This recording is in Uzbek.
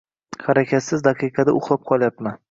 - Harakatsiz daqiqada uxlab qolyapman...